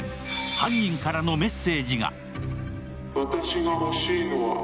更に、犯人からのメッセージが。